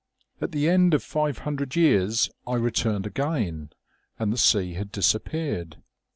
208 OMEGA. " At the end of five hundred years I returned again, and the sea had disappeared.